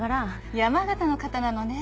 山形の方なのね。